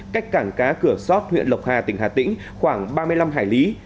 cách cảng cá cửa sót huyện lộc hà tỉnh hà tĩnh khoảng ba mươi năm hải lý